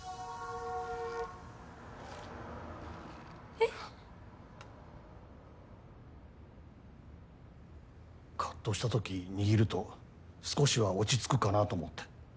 えっ？かっとしたとき握ると少しは落ち着くかなと思って。